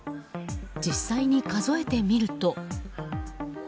実際に数えてみると。